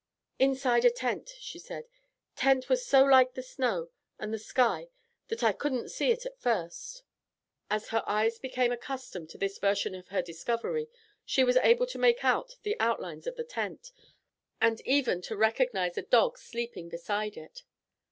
"Inside a tent," she said. "Tent was so like the snow and the sky that I couldn't see it at first." As her eyes became accustomed to this version of her discovery she was able to make out the outlines of the tent and even to recognize a dog sleeping beside it.